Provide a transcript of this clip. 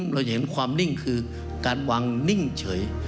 เราจะเห็นความนิ่งคือการวางนิ่งเฉย